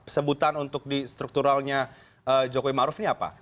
sebutan untuk di strukturalnya jokowi maruf ini apa